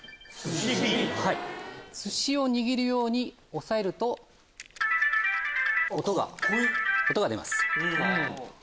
すしを握るように押さえると。音が出ます。